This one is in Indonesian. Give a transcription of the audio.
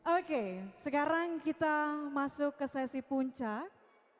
oke sekarang kita masuk ke sesi puncak